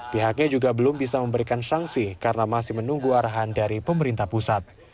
pihaknya juga belum bisa memberikan sanksi karena masih menunggu arahan dari pemerintah pusat